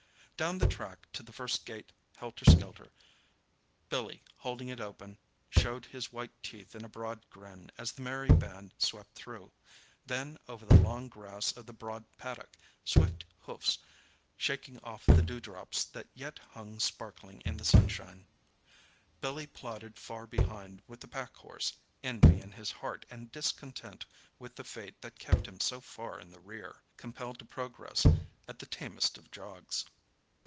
Down the track to the first gate helter skelter—Billy, holding it open, showed his white teeth in a broad grin as the merry band swept through. Then over the long grass of the broad paddock, swift hoofs shaking off the dewdrops that yet hung sparkling in the sunshine. Billy plodded far behind with the packhorse, envy in his heart and discontent with the fate that kept him so far in the rear, compelled to progress at the tamest of jogs.